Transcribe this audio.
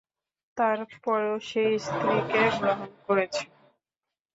তার পরেও সে স্ত্রীকে গ্রহণ করেছে।